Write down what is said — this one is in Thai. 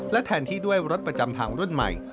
และแทนที่ด้วยรถประจำทางรุ่นใหม่